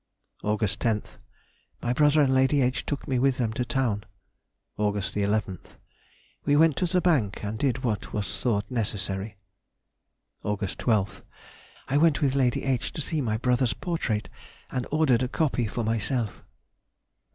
Aug. 10th.—My brother and Lady H. took me with them to town. Aug. 11th.—We went to the Bank and did what was thought necessary. Aug. 12th.—I went with Lady H. to see my brother's portrait, and ordered a copy for myself.